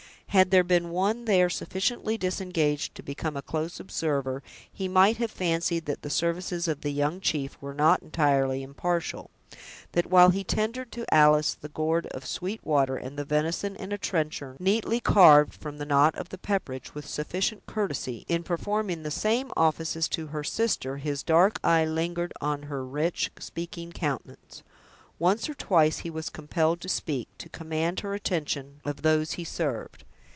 Had there been one there sufficiently disengaged to become a close observer, he might have fancied that the services of the young chief were not entirely impartial. That while he tendered to Alice the gourd of sweet water, and the venison in a trencher, neatly carved from the knot of the pepperidge, with sufficient courtesy, in performing the same offices to her sister, his dark eye lingered on her rich, speaking countenance. Once or twice he was compelled to speak, to command the attention of those he served.